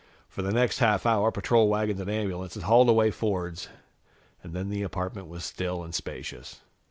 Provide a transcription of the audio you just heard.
For the next half hour, patrol wagons and ambulances hauled away Fords, and then the apartment was still and spacious.